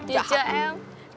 jatuh cinta sama dia